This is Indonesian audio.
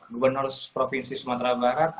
gubernur provinsi sumatera barat